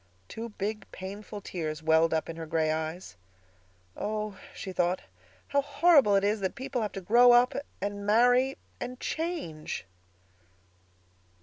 Two big, painful tears welled up in her gray eyes. "Oh," she thought, "how horrible it is that people have to grow up—and marry—and _change!